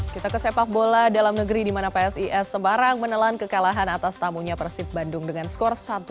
kita ke sepak bola dalam negeri di mana psis semarang menelan kekalahan atas tamunya persib bandung dengan skor satu satu